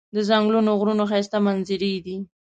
د ځنګلي غرونو ښایسته منظرې دي.